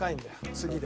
次で。